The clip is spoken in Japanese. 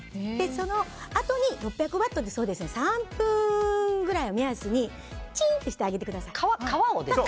そのあとに６００ワットで３分ぐらいを目安にチンとしてあげてください。